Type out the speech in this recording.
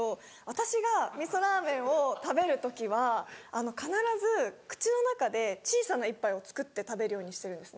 私が味噌ラーメンを食べる時は必ず口の中で小さな１杯を作って食べるようにしてるんですね。